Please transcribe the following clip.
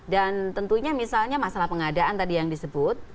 tentunya misalnya masalah pengadaan tadi yang disebut